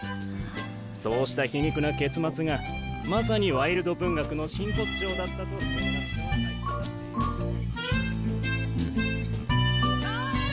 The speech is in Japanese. そうした皮肉な結末がまさにワイルド文学の真骨頂だったと文学者は解説している。